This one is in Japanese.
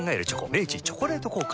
明治「チョコレート効果」